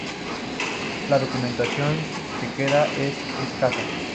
La documentación que queda es escasa.